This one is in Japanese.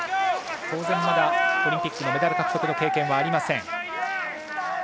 当然まだオリンピックでメダル獲得の経験はありません。